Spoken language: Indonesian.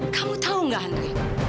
kamu tahu nggak andri